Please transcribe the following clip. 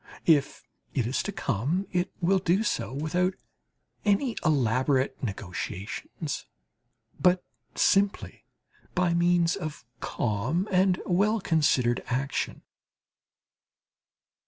If it is to come it will do so without any elaborate negotiations, but simply by means of calm and well considered action.